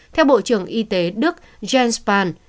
theo bộ trưởng y tế đức jens spahn